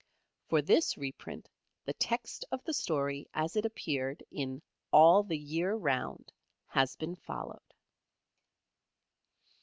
For this reprint the text of the story as it appeared in "All the Year Round" has been followed.